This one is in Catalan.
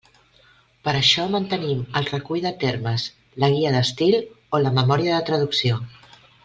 Per això mantenim el Recull de Termes, la Guia d'estil o la memòria de traducció.